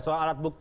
soal alat bukti